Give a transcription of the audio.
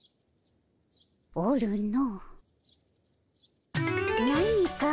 おるの。